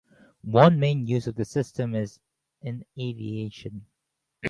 One main use of the system is in aviation.